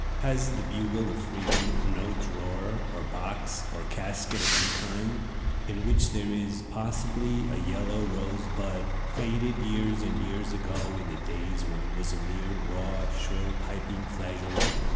Has the Bugle of Freedom no drawer, or box, or casket of any kind, in which there is, possibly, a yellow rose bud, faded years and years ago, in the days when it was a mere raw, shrill, piping flageolet?